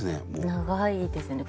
長いですね